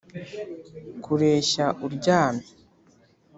kureshya uryamye